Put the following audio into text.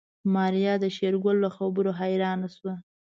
ماريا د شېرګل له خبرو حيرانه شوه.